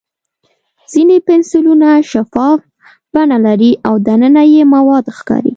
ځینې پنسلونه شفاف بڼه لري او دننه یې مواد ښکاري.